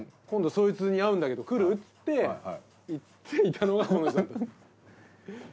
今度そいつに会うんだけど来る？って行っていたのがこの人。